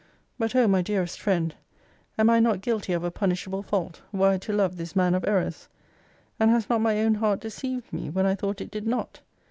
But, O my dearest friend, am I not guilty of a punishable fault, were I to love this man of errors? And has not my own heart deceived me, when I thought it did not?